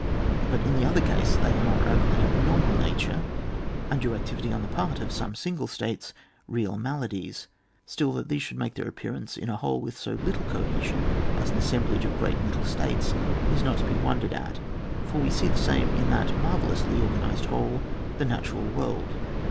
But in the other case, they are of an abnormal nature, imdue activity on the part of some single states, real maladies ; still that these should make their appearance in a whole with so little cohesion as an assemblage of great and little states is not to be wondered at, for we see the same in that marvellously organised whole, the natural world.